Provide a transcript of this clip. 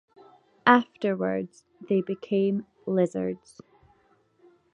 Afterwards, they became lizards.